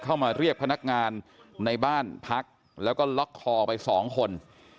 เข้ามาเรียกพนักงานในบ้านพักแล้วก็ล็อกคอไปสองคน